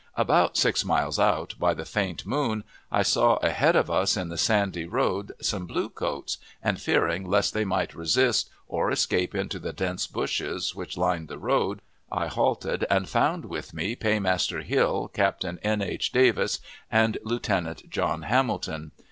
About six miles out, by the faint moon, I saw ahead of us in the sandy road some blue coats, and, fearing lest they might resist or escape into the dense bushes which lined the road, I halted and found with me Paymaster Hill, Captain N. H. Davis, and Lieutenant John Hamilton.